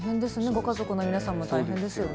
ご家族の皆さんも大変ですよね。